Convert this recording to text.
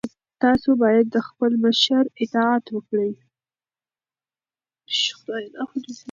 تاسو باید د خپل مشر اطاعت وکړئ.